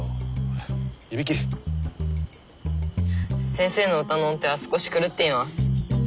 先生の歌の音程は少し狂っています。